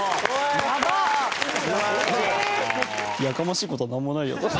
「やかましいことなんもないよ」。